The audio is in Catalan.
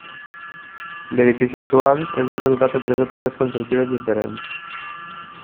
L'edifici actual és el resultat de tres etapes constructives diferents.